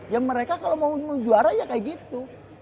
ya mereka kalau mau juara ya kayak gitu